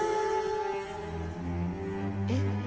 えっ？